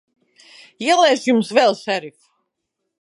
Ieliešu Jums vēl, šerif.